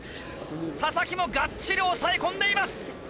佐々木もがっちり抑え込んでいます。